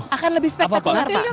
akan lebih spektakular pak